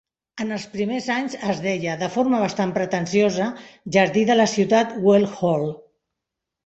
En els primers anys es deia, de forma bastant pretensiosa, "jardí de la ciutat Well Hall".